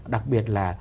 đặc biệt là